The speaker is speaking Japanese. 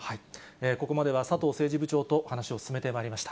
ここまでは佐藤政治部長とお話を進めてまいりました。